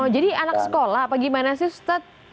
jadi anak sekolah apa gimana sih ustadz